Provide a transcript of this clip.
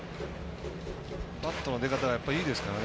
バットの出方がやっぱり、いいですからね。